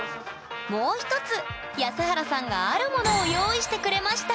もう一つ安原さんがあるものを用意してくれました！